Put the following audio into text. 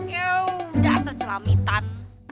ya udah terjelamitan